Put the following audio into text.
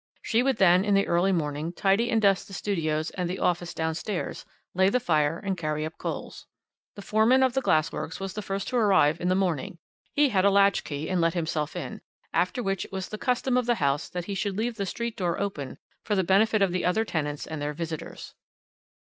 She would then, in the early morning, tidy and dust the studios and the office downstairs, lay the fire and carry up coals. "The foreman of the glass works was the first to arrive in the morning. He had a latch key, and let himself in, after which it was the custom of the house that he should leave the street door open for the benefit of the other tenants and their visitors.